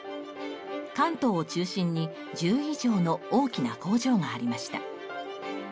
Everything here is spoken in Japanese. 関東を中心に１０以上の大きな工場がありました。